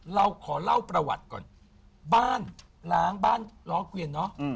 เราขอเล่าประวัติก่อนบ้านล้างบ้านล้อเกวียนเนอะ